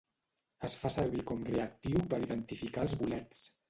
Es fa servir com reactiu per identificar els bolets.